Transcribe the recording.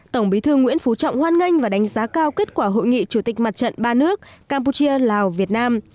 tổng bí thư nguyễn phú trọng hoan nghênh và đánh giá cao kết quả hội nghị chủ tịch mặt trận ba nước campuchia lào việt nam